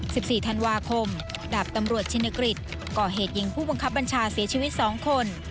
สิบสี่ธันวาคมดาบตำรวจชินกฤษก่อเหตุยิงผู้บังคับบัญชาเสียชีวิตสองคน